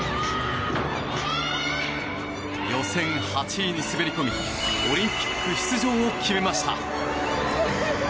予選８位に滑り込みオリンピック出場を決めました。